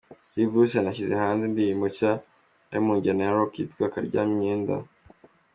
G-Bruce yanashyize hanze indirimbo nshya iri mu njyana ya Rock yitwa “Karyamyenda”.